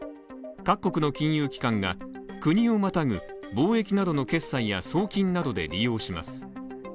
各国の金融機関が、国をまたぐ貿易などの決済や送金などで利用します。